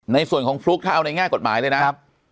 ในส่วนของฟลุ๊กถ้าเอาในง่ายกฎหมายด้วยนะ